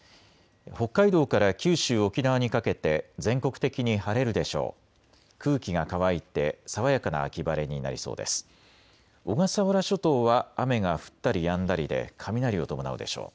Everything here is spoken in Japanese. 北海道から九州、沖縄にかけて全国的に晴れるでしょう。